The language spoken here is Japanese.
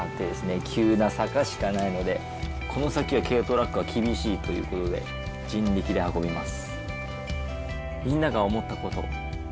急な坂しかないのでこの先は軽トラックは厳しいということで人力で運びます